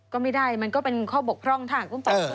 ก็ไม่ได้มันก็เป็นข้อบกพร่องถ้าคุณปลอดภัย